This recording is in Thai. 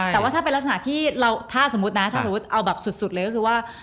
แต่ว่าถ้าเป็นลักษณะที่เราถ้าสมมุตินะถ้าสมมุติเอาแบบสุดเลยก็คือว่า